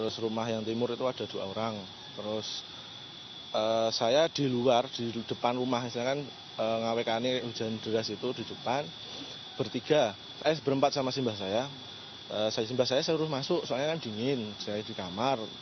saya selalu masuk soalnya kan dingin saya di kamar